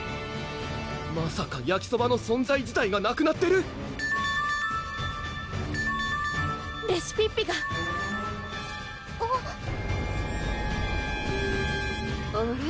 まさかやきそばの存在自体がなくなってる⁉レシピッピがあれ？